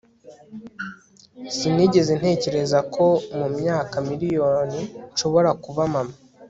Sinigeze ntekereza ko mumyaka miriyoni nshobora kuba mama